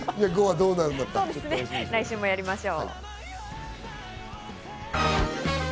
来週もやりましょう。